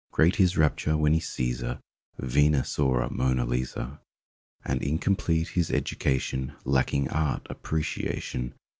Great his rapture when he sees a Venus or a Mona Lisa; And incomplete his education Lacking Art Appreciation.